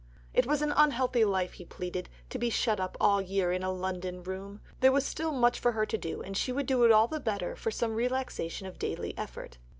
It was an unhealthy life, he pleaded, to be shut up all the year in a London room. There was still much for her to do, and she would do it all the better for some relaxation of daily effort.